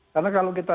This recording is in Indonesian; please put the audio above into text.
karena kalau kita